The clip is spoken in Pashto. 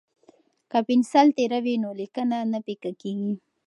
که پنسل تیره وي نو لیکنه نه پیکه کیږي.